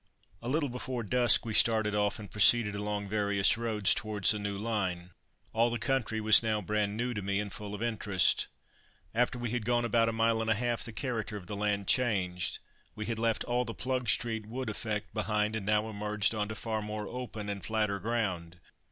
A little before dusk we started off and proceeded along various roads towards the new line. All the country was now brand new to me, and full of interest. After we had gone about a mile and a half the character of the land changed. We had left all the Plugstreet wood effect behind, and now emerged on to far more open and flatter ground.